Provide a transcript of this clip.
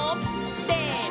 せの！